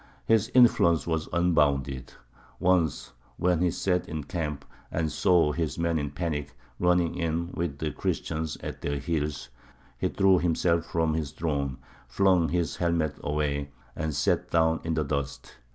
His influence was unbounded. Once, when he sat in camp and saw his men in panic, running in, with the Christians at their heels, he threw himself from his throne, flung his helmet away, and sat down in the dust.